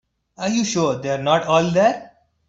Are you sure they are not all there?